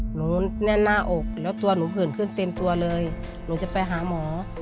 หนูแน่นหน้าอกแล้วตัวหนูผื่นขึ้นเต็มตัวเลยหนูจะไปหาหมอ